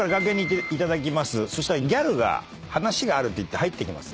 そしたらギャルが話があるって言って入ってきます